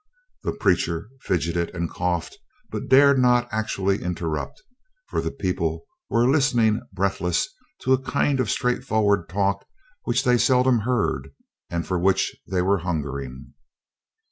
The preacher fidgeted and coughed but dared not actually interrupt, for the people were listening breathless to a kind of straightforward talk which they seldom heard and for which they were hungering.